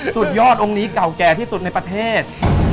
สุดยอดองค์นี้เก่าแก่ที่สุดในประเทศ